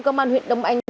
công an huyện đông anh